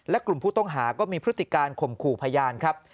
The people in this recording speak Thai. และกลุ่มผู้ต้องหาก็มีพฤติการข่มขู่พยานครับ